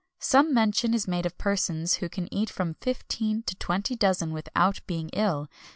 Some mention is made of persons who can eat from fifteen to twenty dozen without being ill.